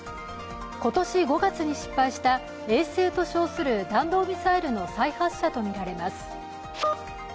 今年５月に失敗した衛星と称する弾道ミサイルの再発射とみられます。